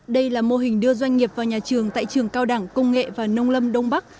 đây là mô hình đưa doanh nghiệp vào nhà trường tại trường cao đẳng công nghệ và nông lâm đông bắc